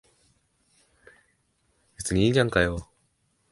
別にいいじゃんかよ。